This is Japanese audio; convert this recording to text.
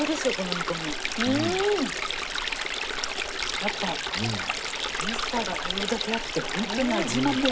やっぱミスターが通うだけあってホントに味ももう。